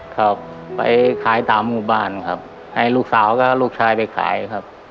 ครับไปขายตามหมู่บ้านครับให้ลูกสาวกับลูกชายไปขายครับ